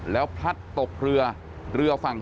แล้วพลัดตกเรือ